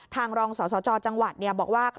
รองสสจจังหวัดบอกว่า